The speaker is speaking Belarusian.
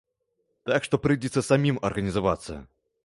Так што прыйдзецца самім арганізавацца.